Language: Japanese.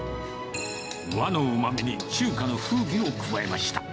和のうまみに中華の風味を加えました。